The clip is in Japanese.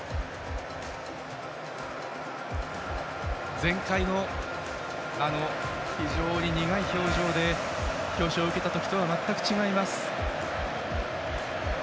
前回の、非常に苦い表情で表彰を受けた時とは全く違います。